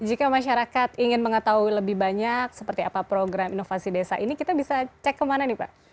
jika masyarakat ingin mengetahui lebih banyak seperti apa program inovasi desa ini kita bisa cek kemana nih pak